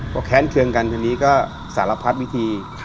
พอแค้นเครื่องกันทีนี้ก็สารพัดวิธี